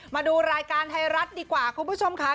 มาดูรายการไทยรัฐดีกว่าคุณผู้ชมค่ะ